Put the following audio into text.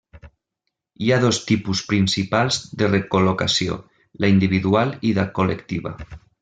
Hi ha dos tipus principals de recol·locació, la individual i la col·lectiva.